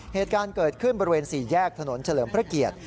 เหตุการณ์เกิดขึ้นบริเวณ๔แยกถนนเฉลิมพระเกียรติ